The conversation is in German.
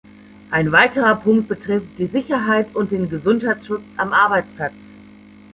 Ein weiterer Punkt betrifft die Sicherheit und den Gesundheitsschutz am Arbeitsplatz.